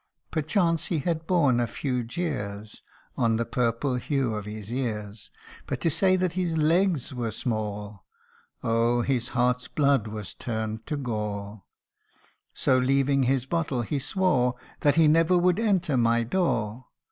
Perchance he had borne a few jeers On the purple hue of his ears, But to say that his legs were small ! Oh ! his heart's blood was turned to gall. So leaving his bottle, he swore That he never would enter my door.